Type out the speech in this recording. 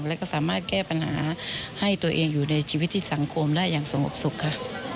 แล้วก็สามารถแก้ปัญหาให้ตัวเองอยู่ในชีวิตที่สังคมได้อย่างสงบสุขค่ะ